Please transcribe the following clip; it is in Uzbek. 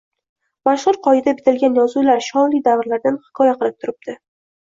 Mashhur qoyada bitilgan yozuvlar shonli davrlardan hikoya qilib turibdi.